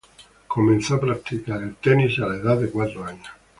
Comenzó a practicar el tenis a la edad de cuatro años.